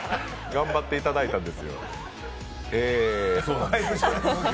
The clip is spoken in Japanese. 頑張っていただいたんですよ。